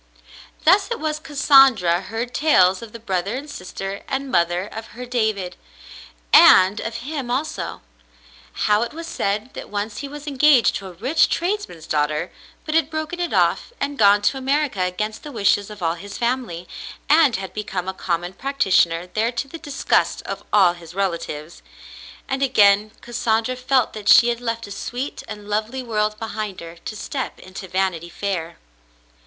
Thus it was Cassandra heard tales of the brother and sister and mother of her David, and of him also. How it was said that once he was engaged to a rich tradesman's daughter but had broken it off and gone to America against the wishes of all his family, and had become a common practitioner there to the disgust of all his relatives ; and again Cassandra felt that she had left a sweet and lovely world behind her to step into "Vanity Fair."